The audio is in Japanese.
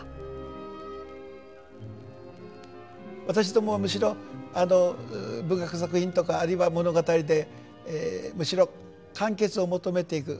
私どもはむしろ文学作品とかあるいは物語でむしろ完結を求めていく。